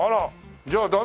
じゃあ旦那